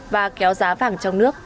và kéo giá vàng trong nước